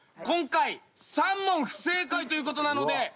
今回３問不正解という事なので。